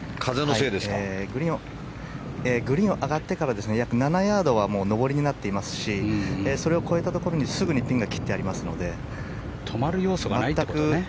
グリーンを上がってから約７ヤードは上りになってますしそれを越えたところにすぐにピンが切ってありますので。